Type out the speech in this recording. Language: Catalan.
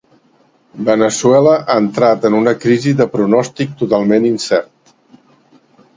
Veneçuela ha entrat en una crisi de pronòstic totalment incert.